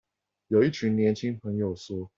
有一群年輕朋友說